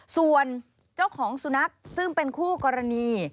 ส่วนเจ้าของสุนัขซึ่งเป็นคู่กรณี